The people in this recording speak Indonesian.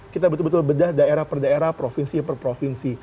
kita betul betul bedah daerah per daerah provinsi per provinsi